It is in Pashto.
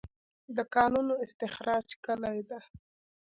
د کانونو استخراج کلي ده؟